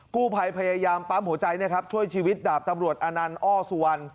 กู้ภัยพยายามปั๊มหัวใจช่วยชีวิตดาบตำรวจอนันต์อ้อสุวรรณ